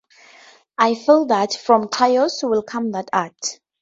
I feel that from Taos will come that art.